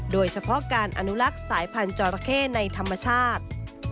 โดยเฉพาะการอนุลักษ์สายพันธอราเข้ในธรรมชาติ